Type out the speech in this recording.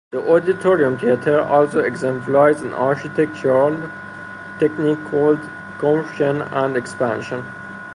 The Auditorium Theatre also exemplifies an architectural technique called "compression and expansion".